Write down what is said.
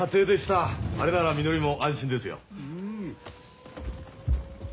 あれならみのりも安心ですよ。